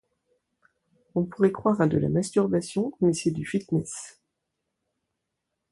On pourrait croire à de la masturbation, mais c’est du fitness.